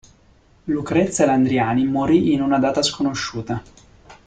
Lucrezia Landriani morì in una data sconosciuta.